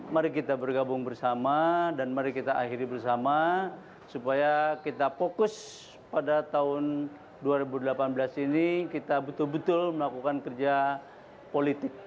mari kita bergabung bersama dan mari kita akhiri bersama supaya kita fokus pada tahun dua ribu delapan belas ini kita betul betul melakukan kerja politik